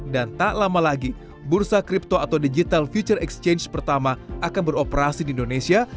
dan tak lama lagi bursa kripto atau digital future exchange pertama akan beroperasi di indonesia